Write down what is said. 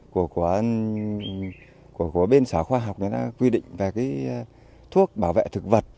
của bên sở khoa học này đã quy định về cái thuốc bảo vệ thực vật